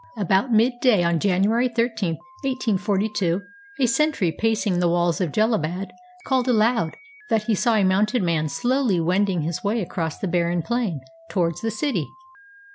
About midday on January 13, 1842, a sentry pacing the walls of Jellalabad called aloud that he saw a mounted man slowly wending his way across the barren plain towards the city.